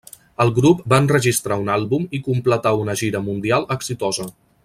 El grup va enregistrar un àlbum i completà una gira mundial exitosa.